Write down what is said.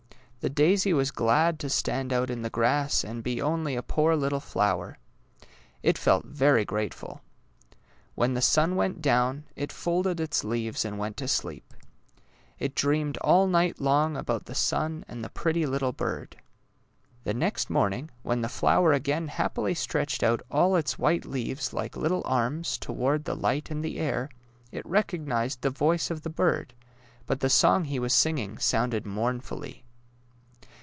The daisy was glad to stand out in the grass and be only a poor little flower. It felt very grateful. When the sun went down, it folded its leaves and went to sleep. It dreamed all 194 DAISY AND SUNFLOWER night long about the sun and the pretty little bird. The next morning, when the flower again happily stretched out all its white leaves like little arms toward the light and the air, it rec ognized the voice of the bird, but the song he was singing sounded mournfully.